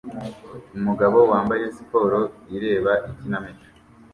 Umugabo wambaye siporo ireba ikinamico